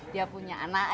dia punya anak